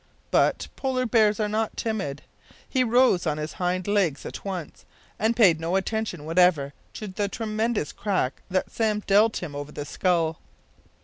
But polar bears are not timid. He rose on his hind legs at once, and paid no attention whatever to the tremendous crack that Sam dealt him over the skull.